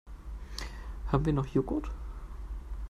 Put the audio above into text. Haben wir noch Joghurt?